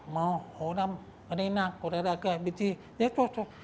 mau orang renang kuda raga bisik